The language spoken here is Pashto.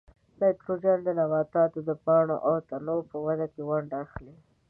نایتروجن د نباتاتو د پاڼو او تنو په وده کې ونډه اخلي.